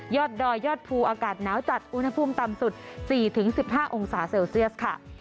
ดอยยอดภูอากาศหนาวจัดอุณหภูมิต่ำสุด๔๑๕องศาเซลเซียสค่ะ